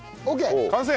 完成！